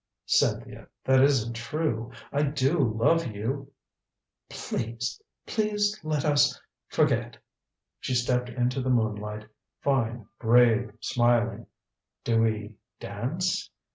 "Cynthia that isn't true I do love you " "Please! Please let us forget." She stepped into the moonlight, fine, brave, smiling. "Do we dance?"